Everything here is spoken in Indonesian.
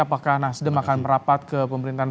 apakah nasdem akan merapat ke pemerintahan